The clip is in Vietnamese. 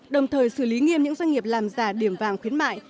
đồng thời xử lý nghiêm những doanh nghiệp làm giả điểm vàng khuyến mại